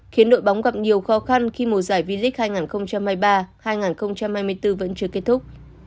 khiến đội bóng gặp nhiều khó khăn khi mùa giải v lic hai nghìn hai mươi ba hai nghìn hai mươi bốn vẫn chưa kết thúc